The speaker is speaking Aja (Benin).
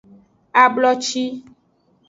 Abloci.